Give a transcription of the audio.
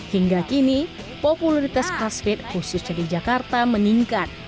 hingga kini popularitas classfit khususnya di jakarta meningkat